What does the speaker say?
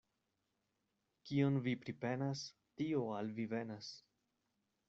Kion vi pripenas, tio al vi venas.